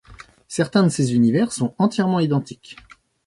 Certains de ces univers sont entièrement identiques.